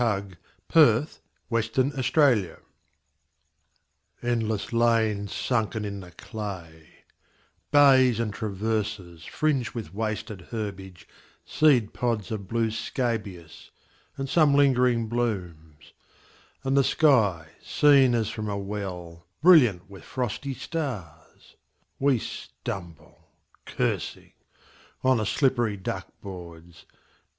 Frederic Manning THE TRENCHES ENDLESS lanes sunken in the clay, Bays, and traverses, fringed with wasted herbage, Seed pods of blue scabious, and some lingering blooms ; And the sky, seen as from a well, Brilliant with frosty stars. We stumble, cursing, on the slippery duck boards.